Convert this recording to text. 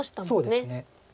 そうですね。